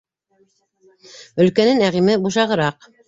Өлкәне, Нәғиме, бушағыраҡ.